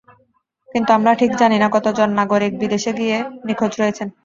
কিন্তু আমরা ঠিক জানি না কতজন নাগরিক বিদেশে গিয়ে নিখোঁজ রয়েছেন।